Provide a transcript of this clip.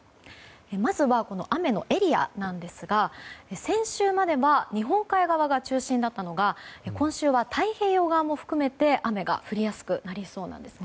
まずは雨のエリアなんですが先週までは日本海側が中心だったのが今週は太平洋側も含めて雨が降りやすくなりそうなんです。